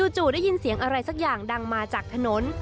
จู่ได้ยินเสียงอะไรสักอย่างดังมาจากถนน